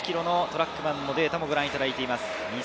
トラックマンのデータをご覧いただいています。